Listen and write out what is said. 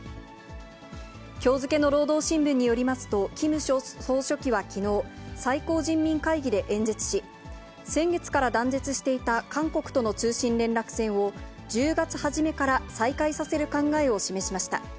きょう付けの労働新聞によりますと、キム総書記はきのう、最高人民会議で演説し、先月から断絶していた韓国との通信連絡線を、１０月初めから再開させる考えを示しました。